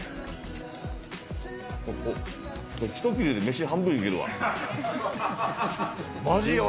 １切れで飯半分いけるわ。